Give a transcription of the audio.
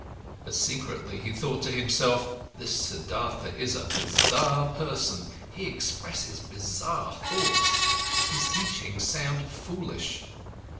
(But secretly he thought to himself: This Siddhartha is a bizarre person, he expresses bizarre thoughts, his teachings sound foolish.